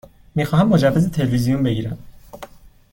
می خواهم مجوز تلویزیون بگیرم.